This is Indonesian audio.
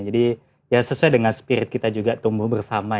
jadi sesuai dengan spirit kita juga tumbuh bersama